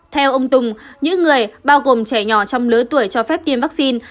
theo ông tùng những người bao gồm trẻ nhỏ trong lứa tuổi cho phép tiêm vaccine